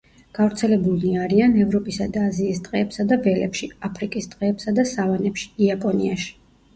გავრცელებულნი არიან ევროპისა და აზიის ტყეებსა და ველებში, აფრიკის ტყეებსა და სავანებში, იაპონიაში.